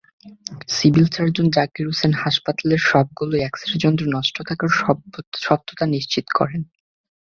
Civil surgeon Zakir Hossain হাসপাতালের সবগুলো X-ray যন্ত্র নষ্ট থাকার সত্যতা নিশ্চিত করেছেন।